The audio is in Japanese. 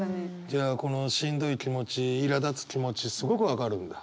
じゃあこのしんどい気持ちいらだつ気持ちすごく分かるんだ？